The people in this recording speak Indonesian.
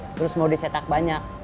terus mau disetak banyak